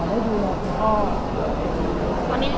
ครั้งอยู่จะยังไงต่อ